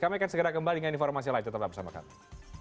kami akan segera kembali dengan informasi lain tetap bersama kami